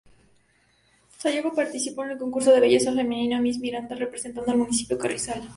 Sayago participó en el concurso de belleza femenina "Miss Miranda", representando al Municipio Carrizal.